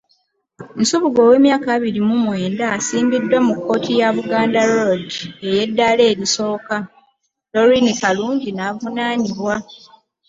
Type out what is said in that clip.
Nsubuga ow’emyaka abiri mu mwenda asimbiddwa mu kkooti ya Buganda Road ey’eddaala erisooka, Doreen kalungi n’avunaanibwa.